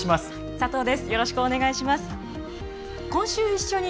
佐藤です。